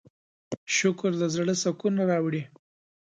شکر د زړۀ سکون راوړي.